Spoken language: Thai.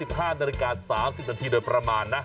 ๕นาฬิกา๓๐นาทีโดยประมาณนะ